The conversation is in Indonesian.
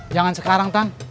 jangan sekarang tang